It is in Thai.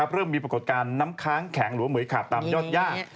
เริ่มมีปรากฏการณ์น้ำค้างแข็งหรือว่าเหมือยขาดตามยอดย่า